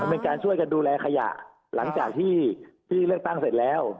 เป็นการช่วยกันดูแลขยะหลังจากที่เลือกตั้งเสร็จแล้ว